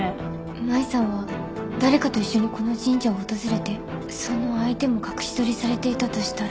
麻衣さんは誰かと一緒にこの神社を訪れてその相手も隠し撮りされていたとしたら。